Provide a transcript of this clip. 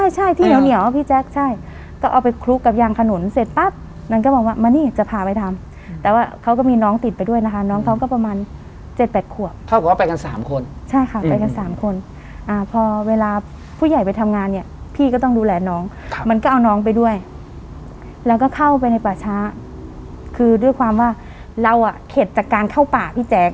ใช่ที่เหนียวพี่แจ๊คใช่ก็เอาไปคลุกกับยางขนุนเสร็จปั๊บมันก็บอกว่ามานี่จะพาไปทำแต่ว่าเขาก็มีน้องติดไปด้วยนะคะน้องเขาก็ประมาณ๗๘ขวบเท่ากับว่าไปกัน๓คนใช่ค่ะไปกัน๓คนพอเวลาผู้ใหญ่ไปทำงานเนี่ยพี่ก็ต้องดูแลน้องมันก็เอาน้องไปด้วยแล้วก็เข้าไปในป่าช้าคือด้วยความว่าเราอ่ะเข็ดจากการเข้าป่าพี่แจ๊ค